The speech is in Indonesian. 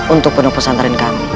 untuk penuh pesantren kami